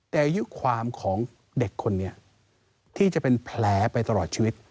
แต่อายุความของเด็กคนนี้ที่จะเป็นแผลไปตลอดชีวิต